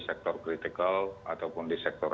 sektor kritikal ataupun di sektor